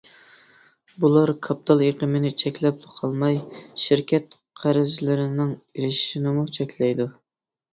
بۇلار كاپىتال ئېقىمىنى چەكلەپلا قالماي، شىركەت قەرزلىرىنىڭ ئېشىشىنىمۇ چەكلەيدۇ.